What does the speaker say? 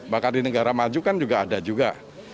bahkan di negara maju kan juga ada juga